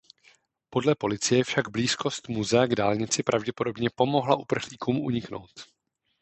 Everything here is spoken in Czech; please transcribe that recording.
Podle policie však blízkost muzea k dálnici pravděpodobně pomohla uprchlíkům uniknout.